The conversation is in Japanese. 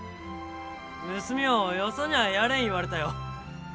娘ょうよそにゃあやれん言われたよ。